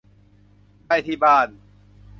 ได้ที่บ้าน